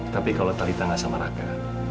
tapi kalau talita gak sama raka